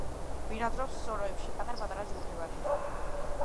ბინადრობს სოროებში პატარ-პატარა ჯგუფებად.